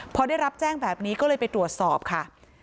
พอได้รับแจ้งแบบนี้ก็เลยไปตรวจสอบค่ะ